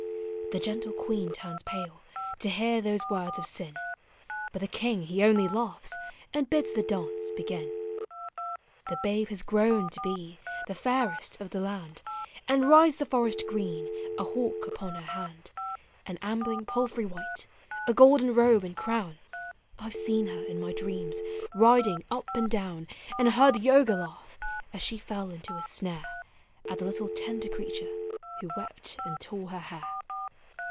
The gentle queen turns pale— to hear those words of sin, Jiut the king he only laughs— and bids the dance begin. The babe has grown to l>e — the fairest of the land. And rides the forest green — a hawk upon her hand, An ambling palfrey white— a golden robe and crown ; L 've seen her in my dreams— riding up and down ; And heard the ogre laugh — as she fell into his snare, Digitized by Google POEMS OF HOME. At the little tender creature— who wept and tore her hair!